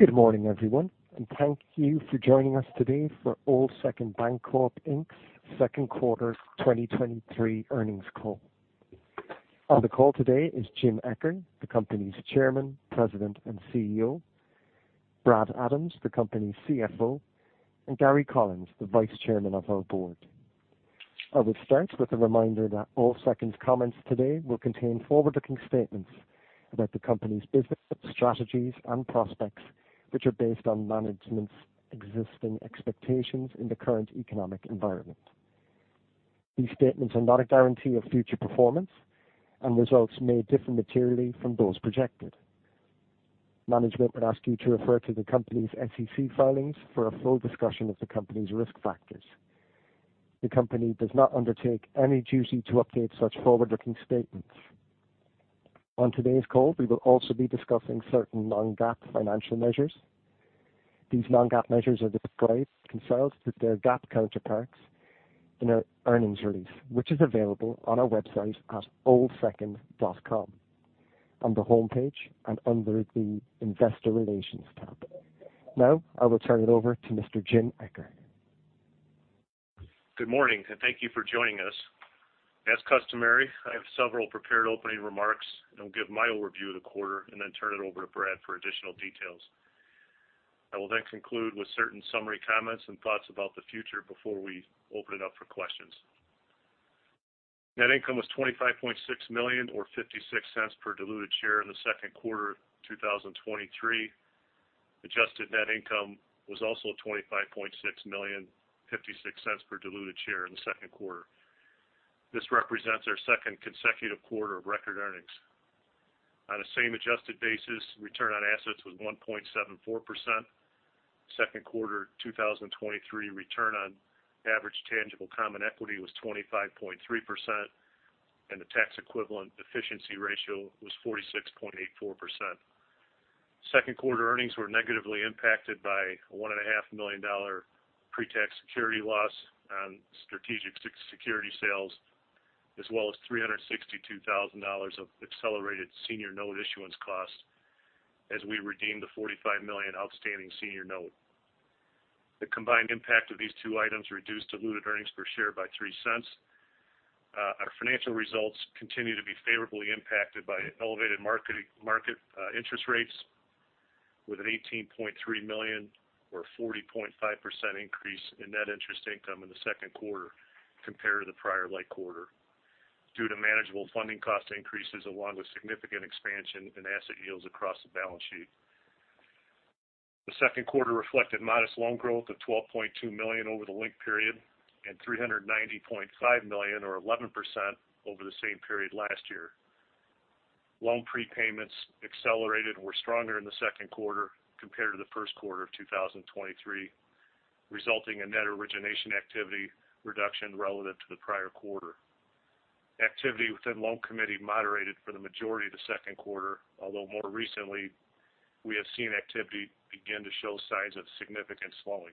Good morning, everyone, and thank you for joining us today for Old Second Bancorp Inc.'s 2nd quarter 2023 earnings call. On the call today is Jim Eccher, the company's chairman, president, and CEO; Brad Adams, the company's CFO; and Gary Collins, the vice chairman of our board. I will start with a reminder that Old Second's comments today will contain forward-looking statements about the company's business, strategies, and prospects, which are based on management's existing expectations in the current economic environment. These statements are not a guarantee of future performance, and results may differ materially from those projected. Management would ask you to refer to the company's SEC filings for a full discussion of the company's risk factors. The company does not undertake any duty to update such forward-looking statements. On today's call, we will also be discussing certain non-GAAP financial measures. These non-GAAP measures are described in cells with their GAAP counterparts in our earnings release, which is available on our website at oldsecond.com, on the homepage and under the Investor Relations tab. Now, I will turn it over to Mr. Jim Eccher. Good morning. Thank you for joining us. As customary, I have several prepared opening remarks. I'll give my overview of the quarter and then turn it over to Brad for additional details. I will conclude with certain summary comments and thoughts about the future before we open it up for questions. Net income was $25.6 million, or $0.56 per diluted share in the second quarter of 2023. Adjusted net income was also $25.6 million, $0.56 per diluted share in the second quarter. This represents our second consecutive quarter of record earnings. On the same adjusted basis, return on assets was 1.74%. Second quarter 2023 return on average tangible common equity was 25.3%. The tax equivalent efficiency ratio was 46.84%. Second quarter earnings were negatively impacted by a $1.5 million pre-tax security loss on strategic security sales, as well as $362,000 of accelerated senior note issuance costs as we redeemed the $45 million outstanding senior note. The combined impact of these two items reduced diluted earnings per share by $0.03. Our financial results continue to be favorably impacted by elevated market interest rates, with an $18.3 million or 40.5% increase in net interest income in the second quarter compared to the prior like quarter. Due to manageable funding cost increases, along with significant expansion in asset yields across the balance sheet. The second quarter reflected modest loan growth of $12.2 million over the linked period and $390.5 million, or 11%, over the same period last year. Loan prepayments accelerated and were stronger in the second quarter compared to the first quarter of 2023, resulting in net origination activity reduction relative to the prior quarter. Activity within loan committee moderated for the majority of the second quarter, although more recently, we have seen activity begin to show signs of significant slowing.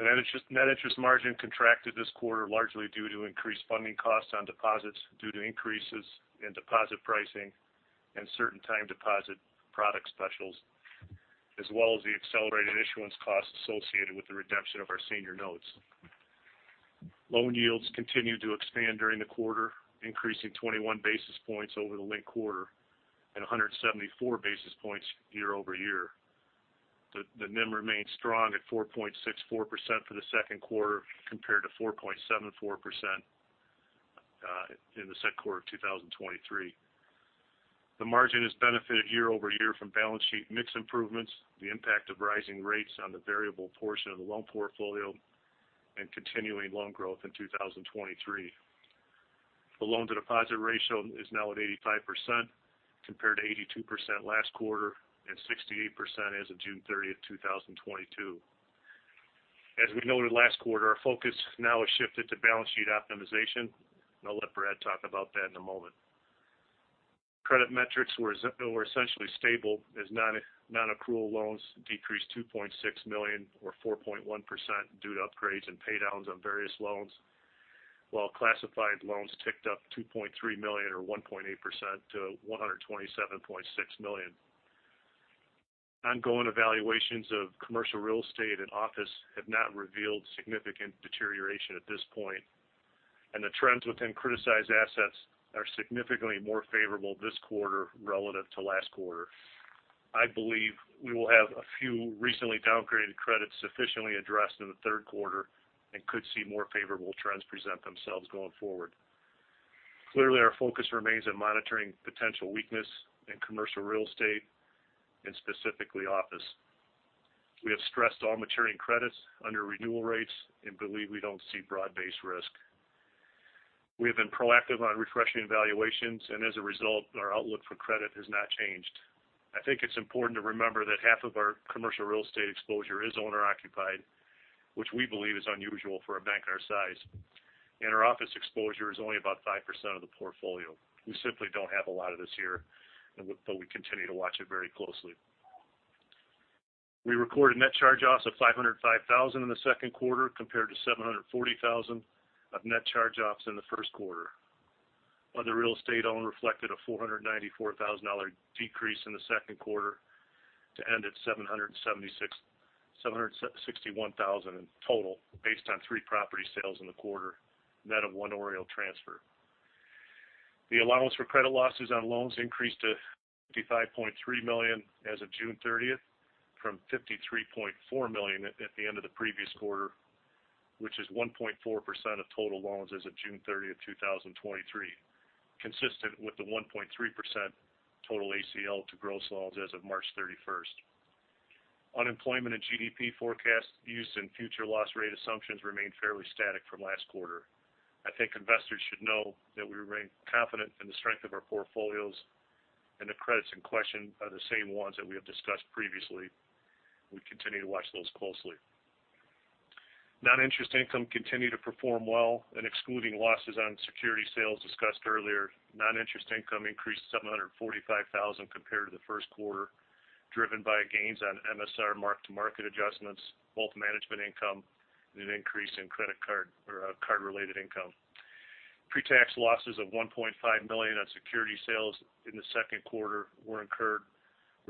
Net interest margin contracted this quarter largely due to increased funding costs on deposits due to increases in deposit pricing and certain time deposit product specials, as well as the accelerated issuance costs associated with the redemption of our senior notes. Loan yields continued to expand during the quarter, increasing 21 basis points over the linked quarter and 174 basis points year-over-year. The NIM remained strong at 4.64% for the second quarter, compared to 4.74% in the second quarter of 2023. The margin has benefited year-over-year from balance sheet mix improvements, the impact of rising rates on the variable portion of the loan portfolio, and continuing loan growth in 2023. The loan-to-deposit ratio is now at 85%, compared to 82% last quarter and 68% as of June 30th, 2022. As we noted last quarter, our focus now has shifted to balance sheet optimization. I'll let Brad talk about that in a moment. Credit metrics were essentially stable, as nonaccrual loans decreased $2.6 million, or 4.1%, due to upgrades and paydowns on various loans, while classified loans ticked up $2.3 million, or 1.8%, to $127.6 million. Ongoing evaluations of commercial real estate and office have not revealed significant deterioration at this point, and the trends within criticized assets are significantly more favorable this quarter relative to last quarter. I believe we will have a few recently downgraded credits sufficiently addressed in the third quarter and could see more favorable trends present themselves going forward. Clearly, our focus remains on monitoring potential weakness in commercial real estate and specifically office. We have stressed all maturing credits under renewal rates and believe we don't see broad-based risk. We have been proactive on refreshing valuations. As a result, our outlook for credit has not changed. I think it's important to remember that half of our commercial real estate exposure is owner-occupied, which we believe is unusual for a bank our size. Our office exposure is only about 5% of the portfolio. We simply don't have a lot of this here, but we continue to watch it very closely. We recorded net charge-offs of $505,000 in the second quarter, compared to $740,000 of net charge-offs in the first quarter. Other real estate owned reflected a $494,000 decrease in the second quarter to end at $761,000 in total, based on three property sales in the quarter, net of one OREO transfer. The allowance for credit losses on loans increased to $55.3 million as of June 30th, from $53.4 million at the end of the previous quarter, which is 1.4% of total loans as of June 30th, 2023, consistent with the 1.3% total ACL to gross loans as of March 31st. Unemployment and GDP forecasts used in future loss rate assumptions remain fairly static from last quarter. I think investors should know that we remain confident in the strength of our portfolios, and the credits in question are the same ones that we have discussed previously. We continue to watch those closely. Non-interest income continued to perform well, excluding losses on security sales discussed earlier, non-interest income increased to $745,000 compared to the first quarter, driven by gains on MSR mark-to-market adjustments, both management income and an increase in credit card or card-related income. Pre-tax losses of $1.5 million on security sales in the second quarter were incurred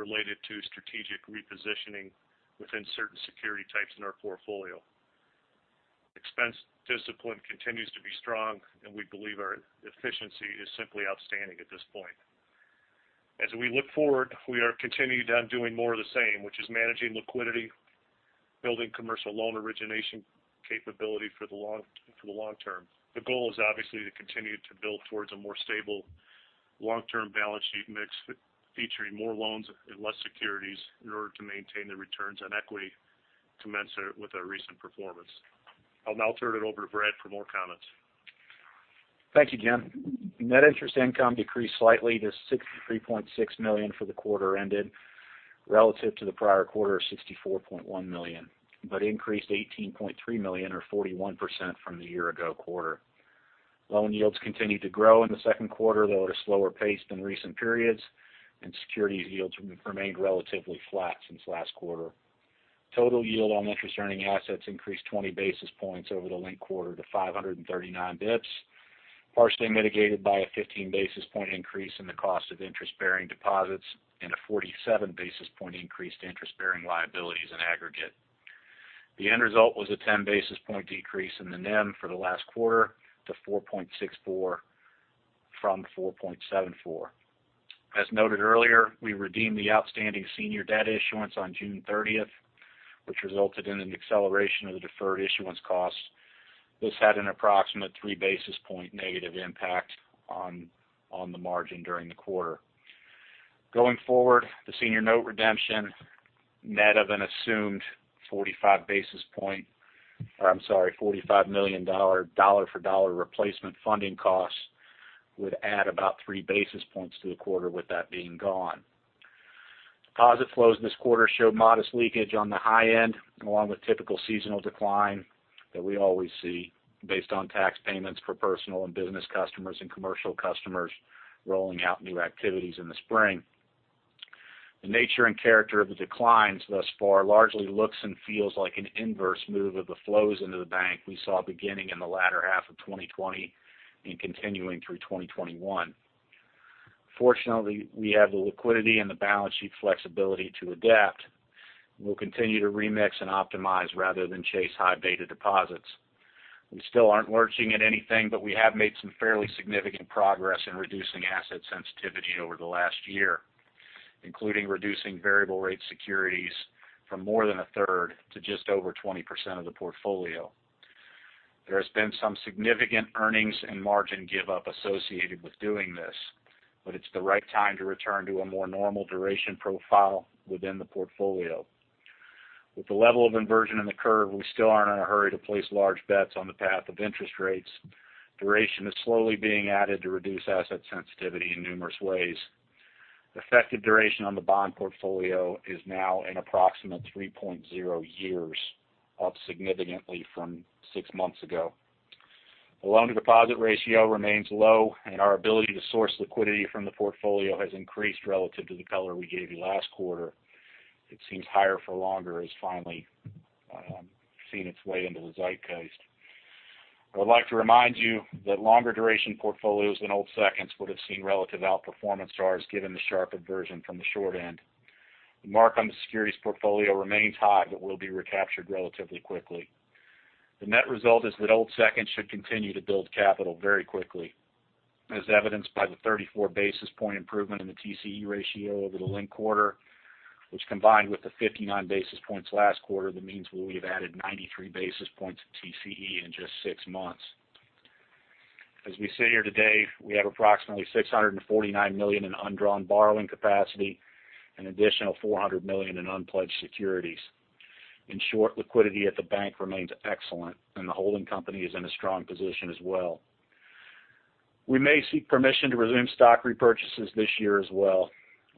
related to strategic repositioning within certain security types in our portfolio. Expense discipline continues to be strong, we believe our efficiency is simply outstanding at this point. As we look forward, we are continued on doing more of the same, which is managing liquidity, building commercial loan origination capability for the long term. The goal is obviously to continue to build towards a more stable long-term balance sheet mix, featuring more loans and less securities in order to maintain the returns on equity commensurate with our recent performance. I'll now turn it over to Brad for more comments. Thank you, Jim. Net interest income decreased slightly to $63.6 million for the quarter ended relative to the prior quarter of $64.1 million. Increased to $18.3 million or 41% from the year-ago quarter. Loan yields continued to grow in the second quarter, though at a slower pace than recent periods, and securities yields remained relatively flat since last quarter. Total yield on interest-earning assets increased 20 basis points over the linked quarter to 539 basis points, partially mitigated by a 15 basis point increase in the cost of interest-bearing deposits and a 47 basis point increase to interest-bearing liabilities in aggregate. The end result was a 10-basis point decrease in the NIM for the last quarter to 4.64 from 4.74. As noted earlier, we redeemed the outstanding senior debt issuance on June 30th, which resulted in an acceleration of the deferred issuance costs. This had an approximate three basis point negative impact on the margin during the quarter. Going forward, the senior note redemption, net of an assumed 45 basis point or I'm sorry, $45 million, dollar for dollar replacement funding costs, would add about three basis points to the quarter with that being gone. Deposit flows this quarter showed modest leakage on the high end, along with typical seasonal decline that we always see based on tax payments for personal and business customers and commercial customers rolling out new activities in the spring. The nature and character of the declines thus far largely looks and feels like an inverse move of the flows into the bank we saw beginning in the latter half of 2020 and continuing through 2021. Fortunately, we have the liquidity and the balance sheet flexibility to adapt. We'll continue to remix and optimize rather than chase high beta deposits. We still aren't lurching at anything, but we have made some fairly significant progress in reducing asset sensitivity over the last year, including reducing variable rate securities from more than 1/3 to just over 20% of the portfolio. There has been some significant earnings and margin give up associated with doing this, but it's the right time to return to a more normal duration profile within the portfolio. With the level of inversion in the curve, we still aren't in a hurry to place large bets on the path of interest rates. Duration is slowly being added to reduce asset sensitivity in numerous ways. Effective duration on the bond portfolio is now an approximate 3.0 years, up significantly from six months ago. The loan-to-deposit ratio remains low. Our ability to source liquidity from the portfolio has increased relative to the color we gave you last quarter. It seems higher for longer has finally seen its way into the zeitgeist. I would like to remind you that longer duration portfolios than Old Second's would have seen relative outperformance to ours, given the sharp inversion from the short end. The mark on the securities portfolio remains high. It will be recaptured relatively quickly. The net result is that Old Second should continue to build capital very quickly, as evidenced by the 34-basis point improvement in the TCE ratio over the linked quarter, which, combined with the 59 basis points last quarter, that means we've added 93 basis points of TCE in just six months. As we sit here today, we have approximately $649 million in undrawn borrowing capacity and additional $400 million in unpledged securities. In short, liquidity at the bank remains excellent, and the holding company is in a strong position as well. We may seek permission to resume stock repurchases this year as well.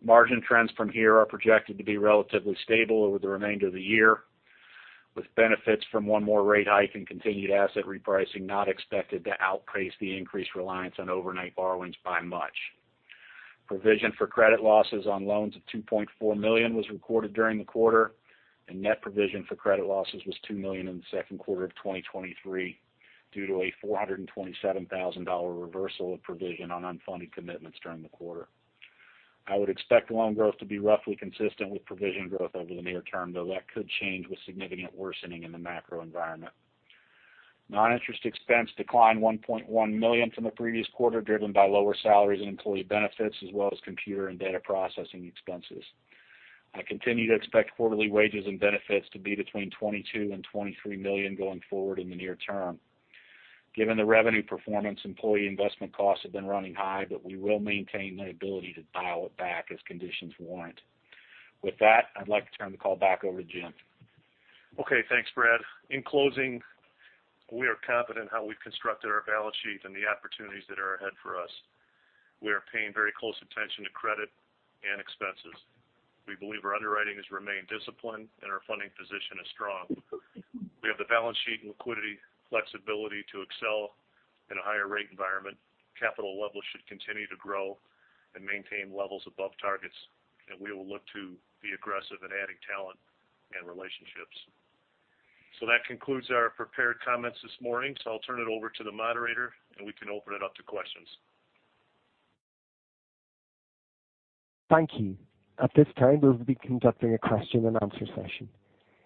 Margin trends from here are projected to be relatively stable over the remainder of the year, with benefits from one more rate hike and continued asset repricing not expected to outpace the increased reliance on overnight borrowings by much. Provision for credit losses on loans of $2.4 million was recorded during the quarter, and net provision for credit losses was $2 million in the second quarter of 2023, due to a $427,000 reversal of provision on unfunded commitments during the quarter. I would expect loan growth to be roughly consistent with provision growth over the near term, though that could change with significant worsening in the macro environment. Non-interest expense declined $1.1 million from the previous quarter, driven by lower salaries and employee benefits, as well as computer and data processing expenses. I continue to expect quarterly wages and benefits to be between $22 million and $23 million going forward in the near term. Given the revenue performance, employee investment costs have been running high, but we will maintain the ability to dial it back as conditions warrant. With that, I'd like to turn the call back over to Jim. Thanks, Brad. In closing, we are confident in how we've constructed our balance sheet and the opportunities that are ahead for us. We are paying very close attention to credit and expenses. We believe our underwriting has remained disciplined, our funding position is strong. We have the balance sheet and liquidity flexibility to excel in a higher rate environment. Capital levels should continue to grow and maintain levels above targets, we will look to be aggressive in adding talent and relationships. That concludes our prepared comments this morning. I'll turn it over to the moderator, we can open it up to questions. Thank you. At this time, we will be conducting a question-and-answer session.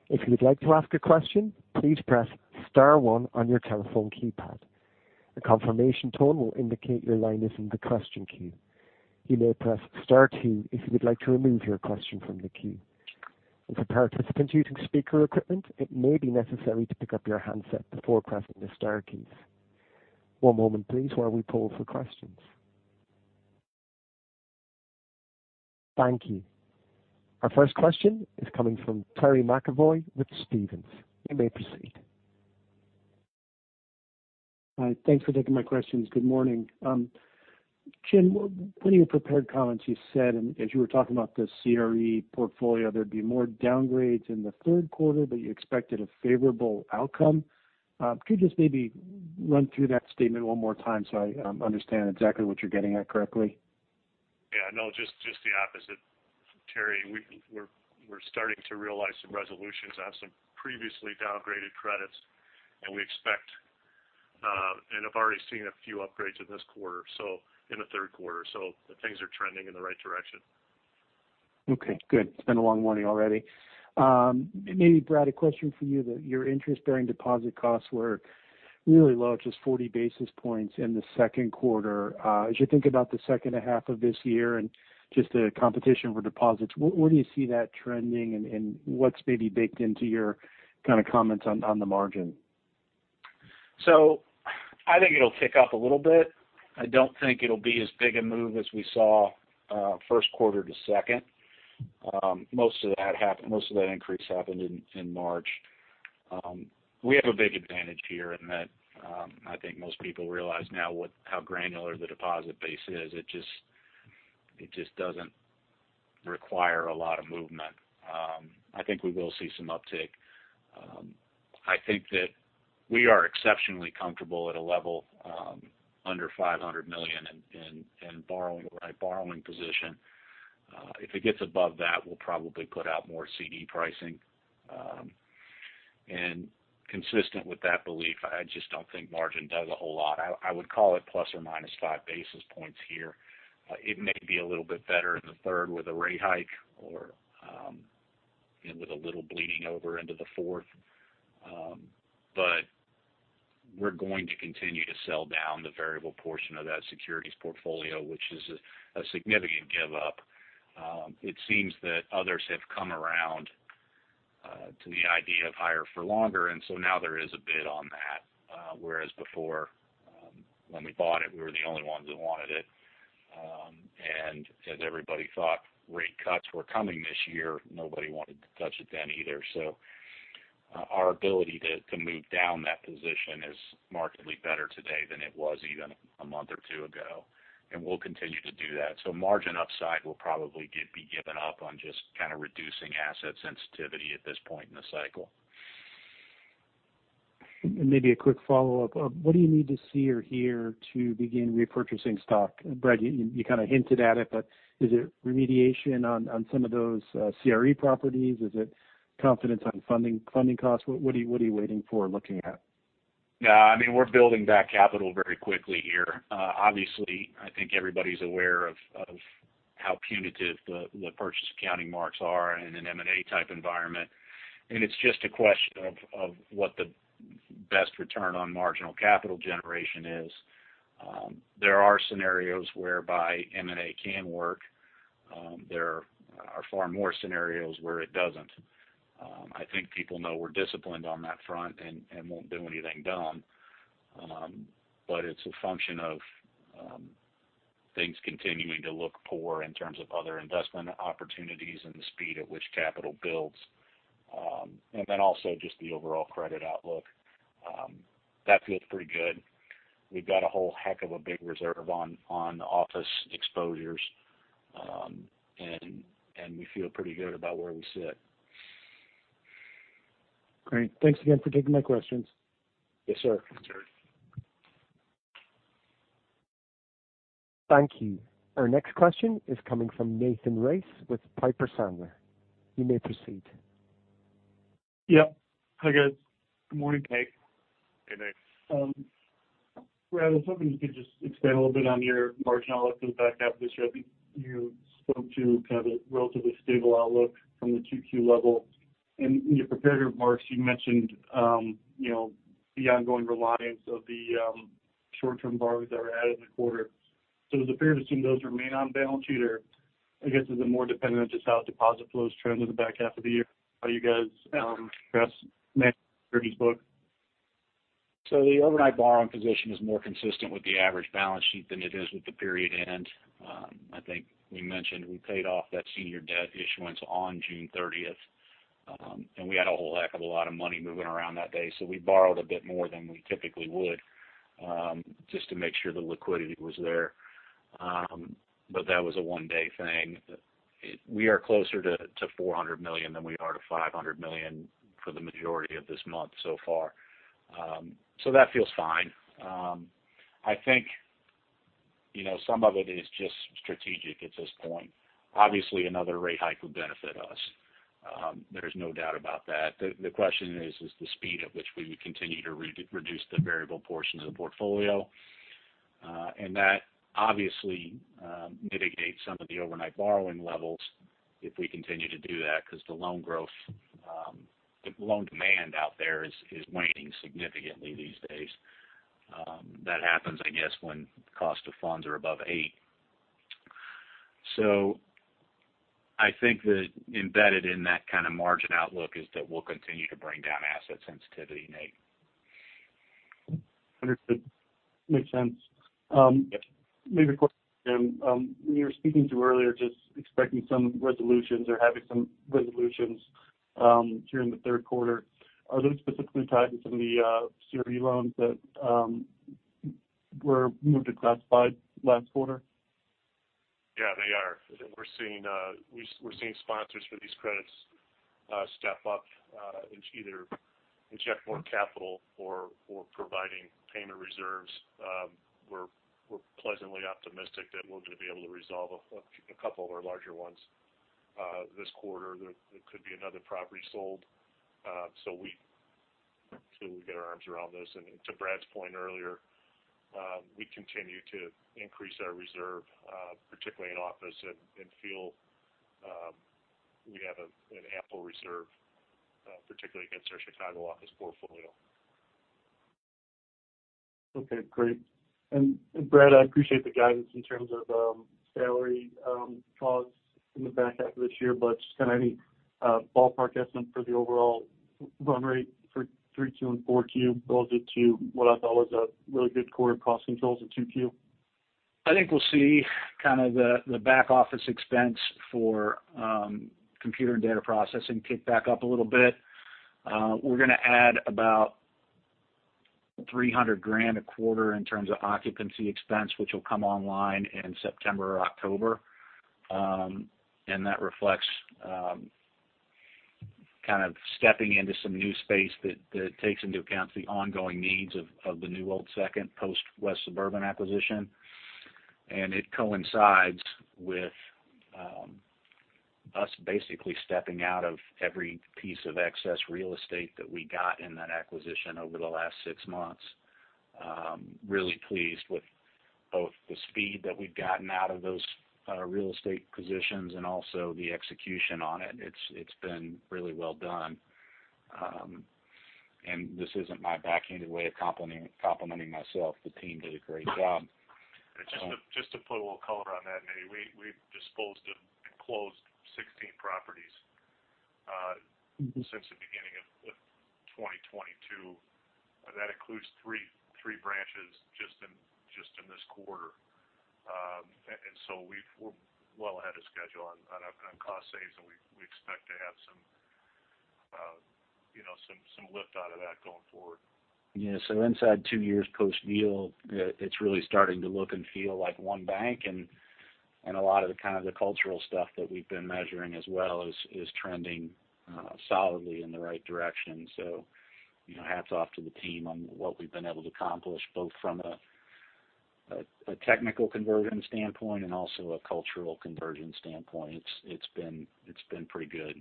If you would like to ask a question, please press star one on your telephone keypad. A confirmation tone will indicate your line is in the question queue. You may press star two if you would like to remove your question from the queue. If a participant using speaker equipment, it may be necessary to pick up your handset before pressing the star keys. One moment please, while we poll for questions. Thank you. Our first question is coming from Terry McEvoy with Stephens. You may proceed. Hi, thanks for taking my questions. Good morning. Jim, in one of your prepared comments, you said, and as you were talking about the CRE portfolio, there'd be more downgrades in the third quarter, but you expected a favorable outcome. Could you just maybe run through that statement one more time so I understand exactly what you're getting at correctly? Yeah, no, just the opposite, Terry. We're starting to realize some resolutions on some previously downgraded credits, and we expect, and I've already seen a few upgrades in this quarter, so in the third quarter, so things are trending in the right direction. Okay, good. It's been a long morning already. Maybe, Brad, a question for you, your interest-bearing deposit costs were really low, just 40 basis points in the second quarter. As you think about the second half of this year and just the competition for deposits, where do you see that trending and what's maybe baked into your kind of comments on the margin? I think it'll tick up a little bit. I don't think it'll be as big a move as we saw, first quarter to second. Most of that increase happened in March. We have a big advantage here in that, I think most people realize now how granular the deposit base is. It just doesn't require a lot of movement. I think we will see some uptick. I think that we are exceptionally comfortable at a level, under $500 million in borrowing, right, borrowing position. If it gets above that, we'll probably put out more CD pricing. Consistent with that belief, I don't think margin does a whole lot. I would call it plus or minus five basis points here. It may be a little bit better in the third with a rate hike or, and with a little bleeding over into the fourth. We're going to continue to sell down the variable portion of that securities portfolio, which is a significant give up. It seems that others have come around to the idea of higher for longer, and so now there is a bid on that, whereas before, when we bought it, we were the only ones that wanted it. As everybody thought rate cuts were coming this year, nobody wanted to touch it then either. Our ability to move down that position is markedly better today than it was even a month or two ago, and we'll continue to do that. Margin upside will probably be given up on just kind of reducing asset sensitivity at this point in the cycle. Maybe a quick follow-up? What do you need to see or hear to begin repurchasing stock? Brad, you kind of hinted at it, but is it remediation on some of those CRE properties? Is it confidence on funding costs? What are you waiting for or looking at? I mean, we're building back capital very quickly here. Obviously, I think everybody's aware of how punitive the purchase accounting marks are in an M&A type environment, it's just a question of what the best return on marginal capital generation is. There are scenarios whereby M&A can work. There are far more scenarios where it doesn't. I think people know we're disciplined on that front and won't do anything dumb. It's a function of things continuing to look poor in terms of other investment opportunities and the speed at which capital builds. Also, just the overall credit outlook. That feels pretty good. We've got a whole heck of a big reserve on the office exposures. We feel pretty good about where we sit. Great. Thanks again for taking my questions. Yes, sir. Thank you. Our next question is coming from Nathan Race with Piper Sandler. You may proceed. Yep. Hi, guys. Good morning, Nate. Hey, Nate. Brad, I was hoping you could just expand a little bit on your margin outlook for the back half of this year. I think you spoke to kind of a relatively stable outlook from the 2Q level. In your prepared remarks, you mentioned, you know, the ongoing reliance of the short-term borrowers that were added in the quarter. Is it fair to assume those remain on balance sheet, or I guess, is it more dependent on just how deposit flows trend in the back half of the year? How do you guys manage book? The overnight borrowing position is more consistent with the average balance sheet than it is with the period end. I think we mentioned we paid off that senior debt issuance on June 30th. We had a whole heck of a lot of money moving around that day, so we borrowed a bit more than we typically would just to make sure the liquidity was there. That was a one-day thing. We are closer to $400 million than we are to $500 million for the majority of this month so far. That feels fine. I think, you know, some of it is just strategic at this point. Obviously, another rate hike would benefit us. There's no doubt about that. The question is, the speed at which we would continue to reduce the variable portion of the portfolio. That obviously mitigates some of the overnight borrowing levels if we continue to do that, because the loan growth, the loan demand out there is waning significantly these days. That happens, I guess, when cost of funds are above eight. I think that embedded in that kind of margin outlook is that we'll continue to bring down asset sensitivity, Nate. Understood. Makes sense. Yeah. Maybe a question, when you were speaking to earlier, just expecting some resolutions or having some resolutions, during the third quarter, are those specifically tied to some of the, CRE loans that were moved to classified last quarter? Yeah, they are. We're seeing sponsors for these credits step up and either inject more capital or providing payment reserves. We're pleasantly optimistic that we're going to be able to resolve a couple of our larger ones this quarter. There could be another property sold so we get our arms around this. To Brad's point earlier, we continue to increase our reserve particularly in office and feel we have an ample reserve particularly against our Chicago office portfolio. Okay, great. Brad, I appreciate the guidance in terms of salary costs in the back half of this year, but just kind of any ballpark estimate for the overall run rate for 3Q and 4Q, relative to what I thought was a really good quarter cost controls in 2Q. I think we'll see kind of the back-office expense for computer and data processing kick back up a little bit. We're going to add about $300,000 a quarter in terms of occupancy expense, which will come online in September or October. And that reflects kind of stepping into some new space that takes into account the ongoing needs of the New Old Second post West Suburban acquisition. And it coincides with us basically stepping out of every piece of excess real estate that we got in that acquisition over the last six months. Really pleased with both the speed that we've gotten out of those real estate positions and also the execution on it. It's, it's been really well done. And this isn't my backhanded way of complimenting myself. The team did a great job. Just to put a little color on that, Nate, we've disposed of and closed 16 properties. Mm-hmm. Since the beginning of 2022. That includes three branches just in this quarter. We've we're well ahead of schedule on cost saves, and we expect to have some, you know, some lift out of that going forward. Inside two years post-deal, it's really starting to look and feel like 1 bank, and a lot of the kind of the cultural stuff that we've been measuring as well is trending solidly in the right direction. You know, hats off to the team on what we've been able to accomplish, both from a technical conversion standpoint and also a cultural conversion standpoint. It's been pretty good.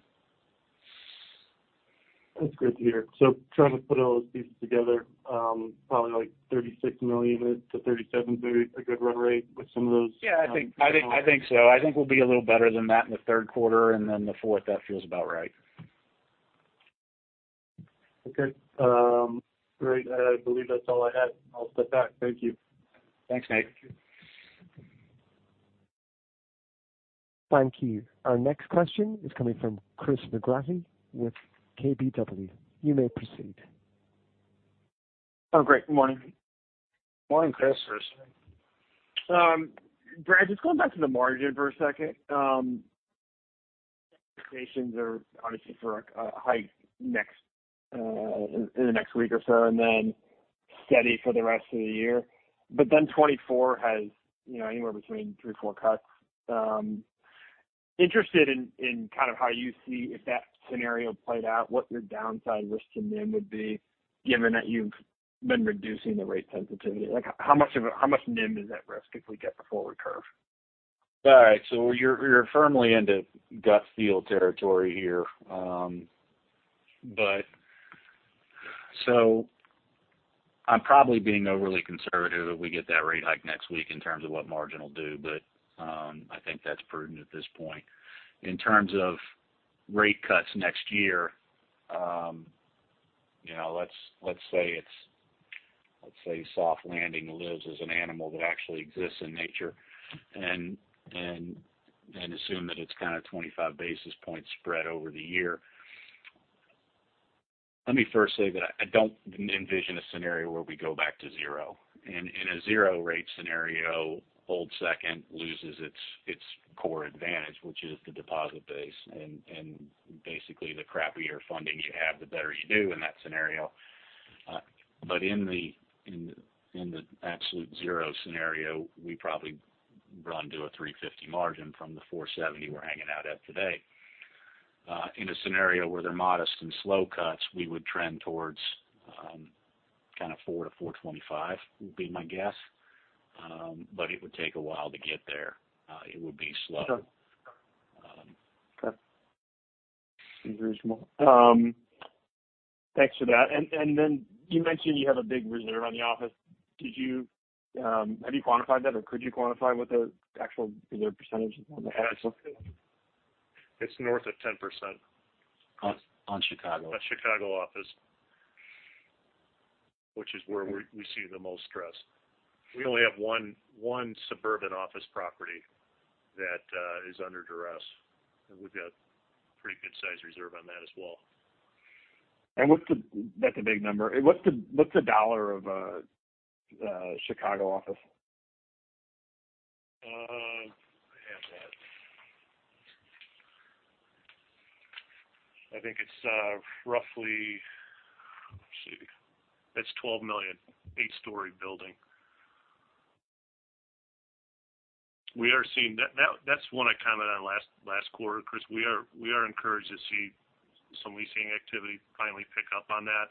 That's good to hear. trying to put all those pieces together, probably like $36 million-$37 million is a good run rate. I think so. I think we'll be a little better than that in the third quarter, and then the fourth, that feels about right. Okay. Great. I believe that's all I had. I'll step back. Thank you. Thanks, Nate. Thank you. Our next question is coming from Chris McGratty with KBW. You may proceed. Oh, great. Good morning. Morning, Chris. Brad, just going back to the margin for a second. Expectations are obviously for a hike next in the next week or so, and then steady for the rest of the year. 2024 has, you know, anywhere between three, four cuts. Interested in kind of how you see if that scenario played out, what your downside risk to NIM would be, given that you've been reducing the rate sensitivity? Like, how much NIM is at risk if we get the forward curve? All right. You're, you're firmly into gut feel territory here. I'm probably being overly conservative if we get that rate hike next week in terms of what margin will do, but I think that's prudent at this point. In terms of rate cuts next year, you know, let's say soft landing lives as an animal that actually exists in nature, and assume that it's kind of 25 basis points spread over the year. Let me first say that I don't envision a scenario where we go back to zero. In a zero rate scenario, Old Second loses its core advantage, which is the deposit base, and basically, the crappier funding you have, the better you do in that scenario. In the absolute zero scenario, we probably run to a 3.50% margin from the 4.70% we're hanging out at today. In a scenario where they're modest and slow cuts, we would trend towards kind of 4.00%-4.25%, would be my guess. It would take a while to get there. It would be slow. Sure. Thanks for that. You mentioned you have a big reserve on the office. Have you quantified that, or could you quantify what the actual, is there a percentage on the office? It's north of 10%. On, on Chicago. The Chicago office, which is where we see the most stress. We only have one suburban office property that is under duress, and we've got pretty good size reserve on that as well. That's a big number. What's the dollar of the Chicago office? I have that. I think it's roughly, let's see. It's $12 million, eight-story building. We are seeing that's one I commented on last quarter, Chris. We are encouraged to see some leasing activity finally pick up on that.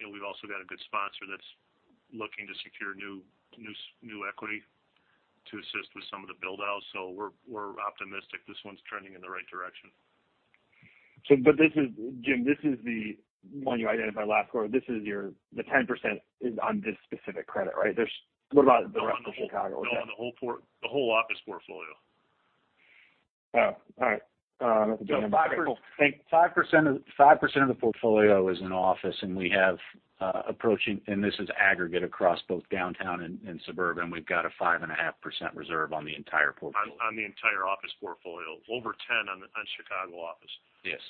We've also got a good sponsor that's looking to secure new equity to assist with some of the buildouts. We're optimistic this one's turning in the right direction. Jim, this is the one you identified last quarter. This is the 10% is on this specific credit, right? There's. No, on the whole the whole office portfolio. Oh, all right. 5% of the portfolio is in office, and we have. This is aggregate across both downtown and suburban. We've got a 5.5% reserve on the entire portfolio. On the entire office portfolio. Over 10 on Chicago office. Yes.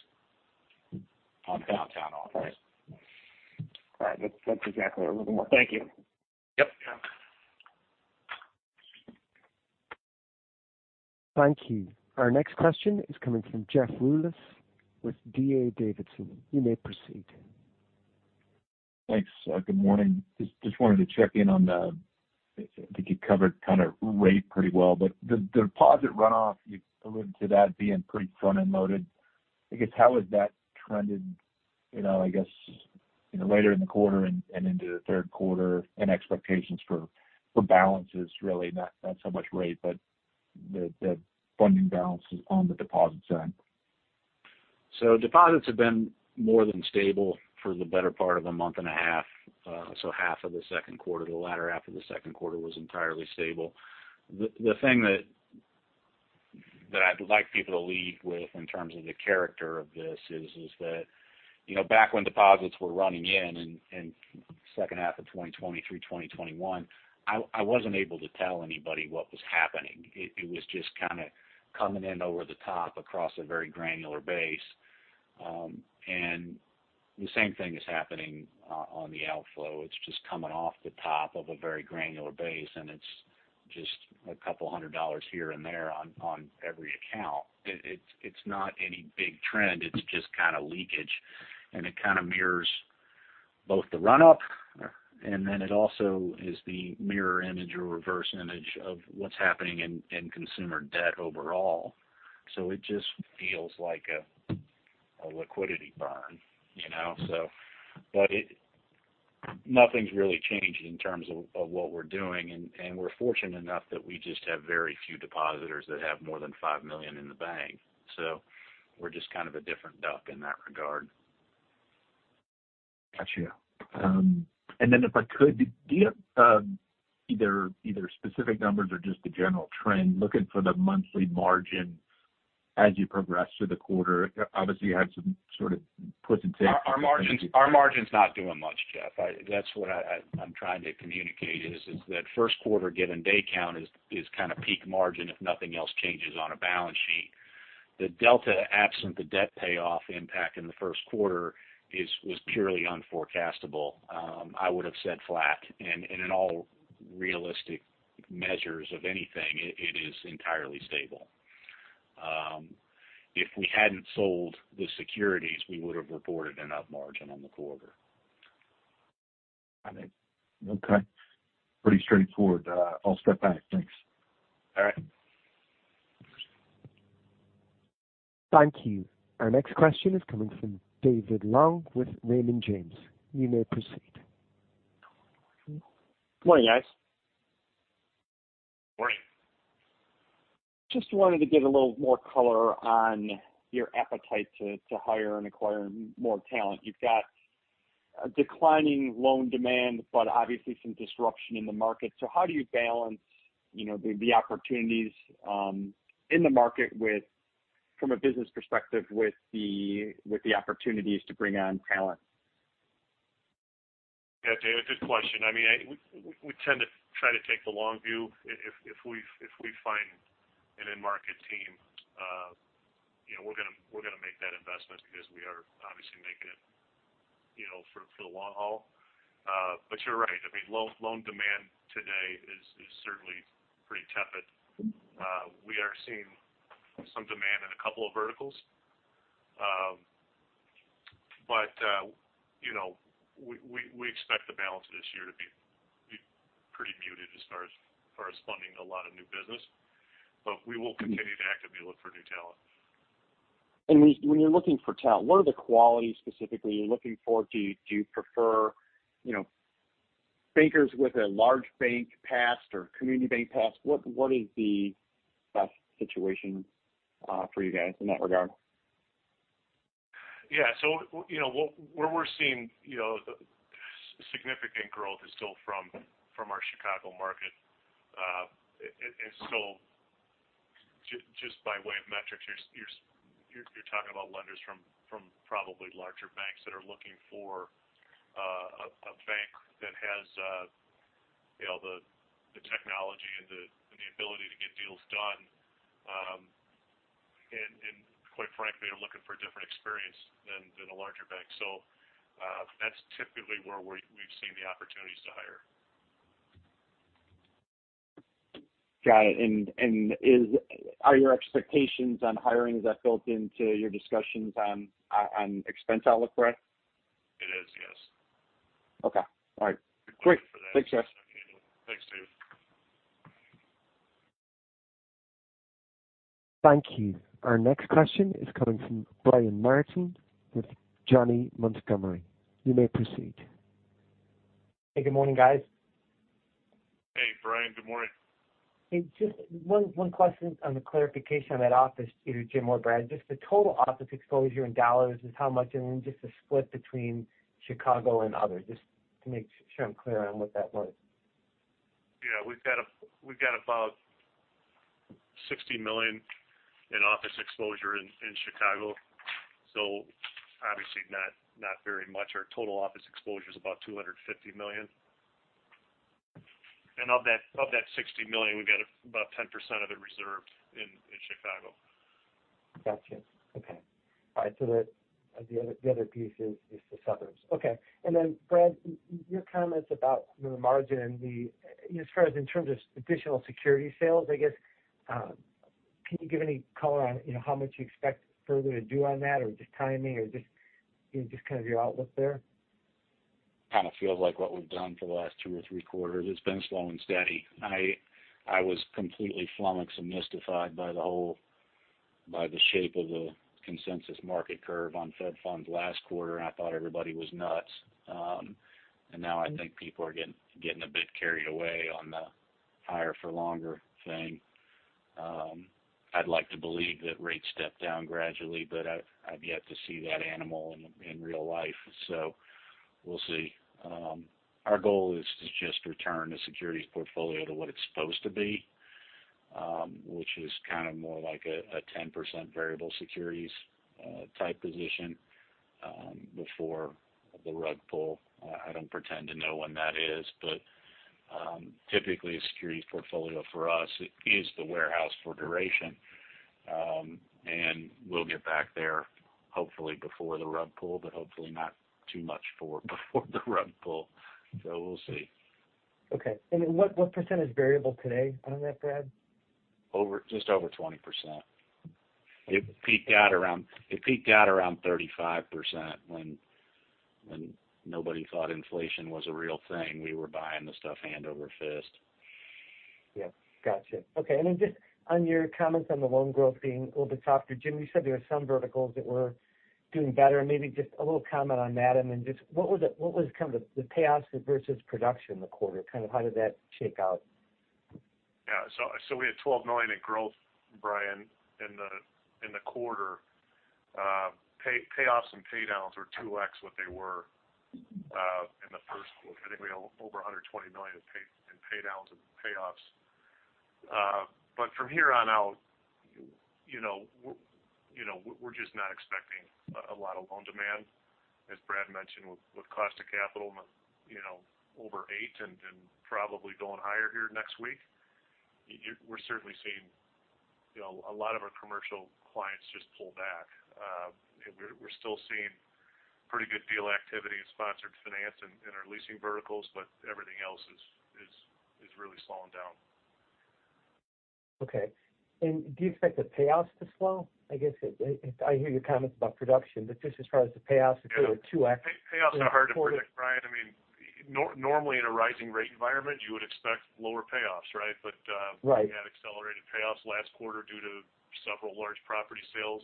On downtown office. All right. That's exactly what I was looking for. Thank you. Yep. Yeah. Thank you. Our next question is coming from Jeff Rulis with D.A. Davidson. You may proceed. Thanks. Good morning. Just wanted to check in on the. I think you covered kind of rate pretty well, but the deposit runoff, you alluded to that being pretty front-end loaded. I guess, how has that trended, you know, I guess, you know, later in the quarter and into the third quarter and expectations for balances, really, not so much rate, but the funding balances on the deposit side? Deposits have been more than stable for the better part of a month and a half, so half of the second quarter, the latter half of the second quarter was entirely stable. The thing that I'd like people to lead with in terms of the character of this is that, you know, back when deposits were running in second half of 2020 through 2021, I wasn't able to tell anybody what was happening. It was just kind of coming in over the top across a very granular base. The same thing is happening on the outflow. It's just coming off the top of a very granular base, and it's just $200 here and there on every account. It's not any big trend, it's just kind of leakage, it kind of mirrors both the run-up, then it also is the mirror image or reverse image of what's happening in consumer debt overall. It just feels like a liquidity burn, you know. Nothing's really changed in terms of what we're doing, and we're fortunate enough that we just have very few depositors that have more than $5 million in the bank. We're just kind of a different duck in that regard. Got you. If I could, do you have, either specific numbers or just a general trend, looking for the monthly margin as you progress through the quarter? Obviously, you had some sort of puts and takes. Our margin's not doing much, Jeff. That's what I'm trying to communicate is that 1st quarter, given day count, is kind of peak margin if nothing else changes on a balance sheet. The delta, absent the debt payoff impact in the 1st quarter, was purely unforecastable. I would have said flat, and in all realistic measures of anything, it is entirely stable. If we hadn't sold the securities, we would have reported an up margin on the quarter. Got it. Okay, pretty straightforward. I'll step back. Thanks. All right. Thank you. Our next question is coming from David Long with Raymond James. You may proceed. Good morning, guys. Morning. Just wanted to get a little more color on your appetite to hire and acquire more talent. You've got a declining loan demand, but obviously some disruption in the market. How do you balance, you know, the opportunities in the market with, from a business perspective, with the opportunities to bring on talent? David, good question. I mean, we tend to try to take the long view. If we find an end market team, you know, we're gonna, we're gonna make that investment because we are obviously making it, you know, for the long haul. You're right. I mean, loan demand today is certainly pretty tepid. We are seeing some demand in a couple of verticals. But, you know, we expect the balance of this year to be pretty muted as far as funding a lot of new business. But we will continue to actively look for new talent. When you're looking for talent, what are the qualities specifically you're looking for? Do you prefer, you know, bankers with a large bank past or community bank past? What is the best situation for you guys in that regard? Yeah. you know, what, where we're seeing, you know, significant growth is still from our Chicago market. just by way of metrics, you're talking about lenders from probably larger banks that are looking for a bank that has, you know, the technology and the ability to get deals done. Quite frankly, are looking for a different experience than a larger bank. That's typically where we've seen the opportunities to hire. Got it. Are your expectations on hiring that built into your discussions on expense outlook, correct? It is, yes. Okay. All right. Great. Thanks, guys. Thanks, Dave. Thank you. Our next question is coming from Brian Martin with Janney Montgomery. You may proceed. Hey, good morning, guys. Hey, Brian. Good morning. Hey, just one question on the clarification on that office, either Jim or Brad. The total office exposure in dollars is how much, and then just the split between Chicago and others, just to make sure I'm clear on what that was? Yeah, we've got about $60 million in office exposure in Chicago. Obviously not very much. Our total office exposure is about $250 million. Of that $60 million, we've got about 10% of it reserved in Chicago. Gotcha. Okay. All right. The other piece is the others. Okay. Brad, your comments about the margin and the, as far as in terms of additional security sales, I guess, can you give any color on, you know, how much you expect further to do on that, or just timing or just, you know, just kind of your outlook there? Kind of feels like what we've done for the last two or three quarters. It's been slow and steady. I was completely flummoxed and mystified by the whole by the shape of the consensus market curve on Fed Funds last quarter. I thought everybody was nuts. Now I think people are getting a bit carried away on the higher for longer thing. I'd like to believe that rates step down gradually, but I've yet to see that animal in real life, so we'll see. Our goal is to just return the securities portfolio to what it's supposed to be, which is kind of more like a 10% variable securities type position before the rug pull. I don't pretend to know when that is, but typically a securities portfolio for us is the warehouse for duration. We'll get back there hopefully before the rug pull, but hopefully not too much before the rug pull. We'll see. Okay. what % is variable today on that, Brad? Just over 20%. It peaked out around 35% when nobody thought inflation was a real thing. We were buying the stuff hand over fist. Yeah. Gotcha. Okay, just on your comments on the loan growth being a little bit softer, Jim, you said there were some verticals that were doing better, and maybe just a little comment on that? Just what was kind of the payoffs versus production in the quarter? Kind of how did that shake out? Yeah. We had $12 million in growth, Brian, in the quarter. Payoffs and paydowns were 2x what they were in the first quarter. I think we had over $120 million in paydowns and payoffs. From here on out, you know, you know, we're just not expecting a lot of loan demand. As Brad mentioned, with cost of capital, you know, over 8% and probably going higher here next week, we're certainly seeing, you know, a lot of our commercial clients just pull back. We're still seeing pretty good deal activity in sponsor finance and in our leasing verticals, but everything else is really slowing down. Okay. Do you expect the payouts to slow? I guess, I hear your comments about production, but just as far as the payouts, if they were to. Payoffs are hard to predict, Brian. I mean, normally in a rising rate environment, you would expect lower payoffs, right? Right. We had accelerated payoffs last quarter due to several large property sales.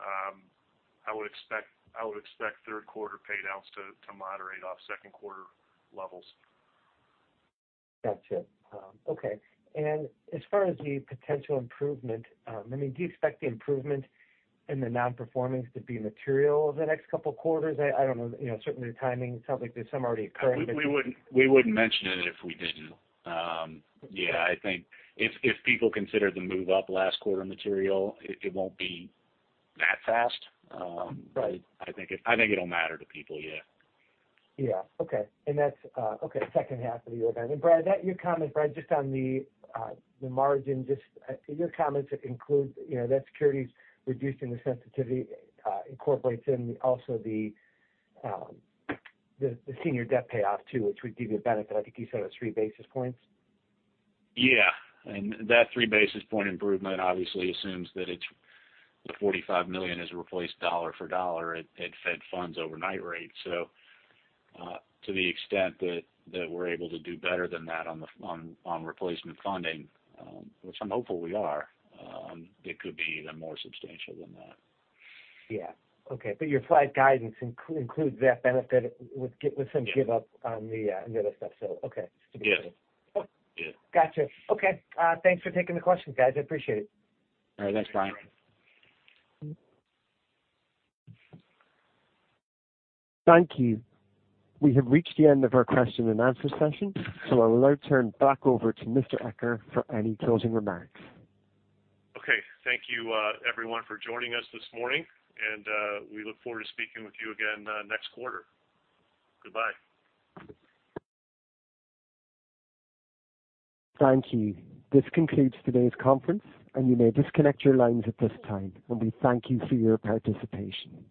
I would expect third quarter payouts to moderate off second quarter levels. Got you. Okay. As far as the potential improvement, I mean, do you expect the improvement in the non-performance to be material over the next couple of quarters? I don't know, you know, certainly the timing, it sounds like there's some already occurring. We wouldn't mention it if we didn't. Yeah, I think if people consider the move up last quarter material, it won't be that fast. Right. I think it'll matter to people, yeah. Yeah. Okay. That's, okay, second half of the year then. Brad, that your comment, Brad, just on the margin, your comments include, you know, that security's reducing the sensitivity, incorporates in also the senior debt payoff, too, which would give you a benefit. I think you said it was three basis points? Yeah. That three basis point improvement obviously assumes that it's the $45 million is replaced dollar for dollar at Fed Funds overnight rate. To the extent that we're able to do better than that on the replacement funding, which I'm hopeful we are, it could be even more substantial than that. Yeah. Okay. Your slide guidance includes that benefit with some give up. Yeah. On the, on the other stuff, so okay. Yeah. Cool. Yeah. Got you. Okay. Thanks for taking the questions, guys. I appreciate it. All right, thanks, Brian. Thank you. We have reached the end of our question and answer session, so I will now turn back over to Mr. Eccher for any closing remarks. Okay. Thank you, everyone, for joining us this morning. We look forward to speaking with you again, next quarter. Goodbye. Thank you. This concludes today's conference, and you may disconnect your lines at this time, and we thank you for your participation.